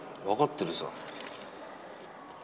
分かってるさ。